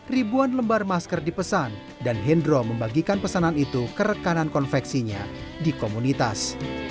ribuan lembar masker dipesan dan hendro membagikan pesanan itu ke rekanan konveksinya di komunitas